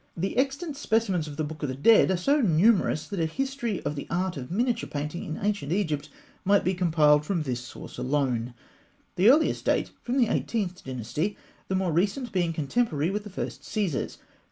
The extant specimens of The Book of the Dead are so numerous that a history of the art of miniature painting in ancient Egypt might be compiled from this source alone. The earliest date from the Eighteenth Dynasty, the more recent being contemporary with the first Caesars.